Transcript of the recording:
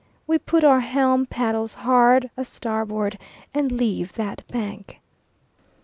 We put our helm paddles hard a starboard and leave that bank.